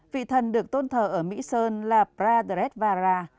vị thần được tôn thờ ở mỹ sơn là pradesvara